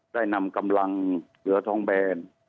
ได้นำกำลังเหนือท้องแบน